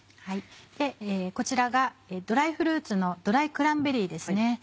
こちらがドライフルーツのドライクランベリーです。